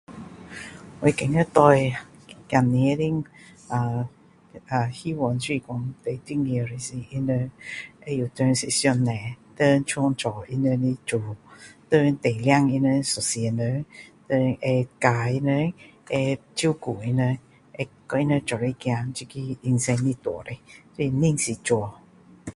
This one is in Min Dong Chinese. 我觉得对,子弟女的 ［arr］ 希望就是说，最重要是他们知道谁是上帝，谁创造他们的主，谁带领他们一辈子，谁会教他们，会照顾他们，会跟他们一起走这个人生的路叻，就是认识主!